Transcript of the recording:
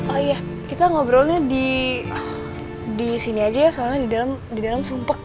oh iya kita ngobrolnya di sini aja ya soalnya di dalam sumpek